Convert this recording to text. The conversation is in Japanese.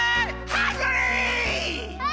ハングリー！